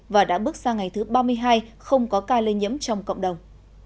và đã bước sang ngày thứ ba mươi hai không có ca lây nhiễm trong cộng đồng